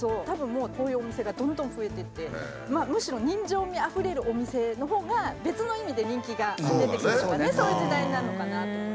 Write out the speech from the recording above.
たぶんもうこういうお店がどんどん増えてってむしろ人情味あふれるお店のほうが別の意味で人気が出てくるとかねそういう時代なのかなと。